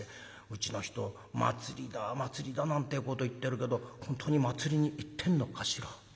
「うちの人祭りだ祭りだなんてこと言ってるけど本当に祭りに行ってんのかしら？